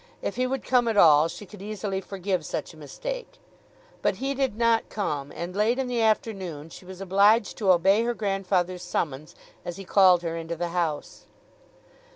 If he would come at all she could easily forgive such a mistake. But he did not come, and late in the afternoon she was obliged to obey her grandfather's summons as he called her into the house.